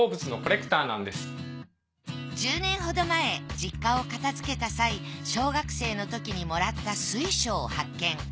実は１０年ほど前実家を片付けた際小学生のときに貰った水晶を発見。